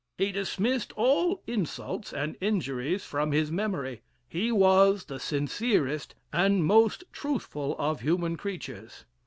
He dismissed all insults and injuries from his memory. He was the sincerest and most truthful of human creatures.